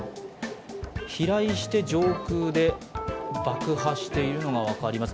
飛来して上空で爆破しているのが分かります。